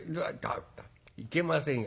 「いけませんよ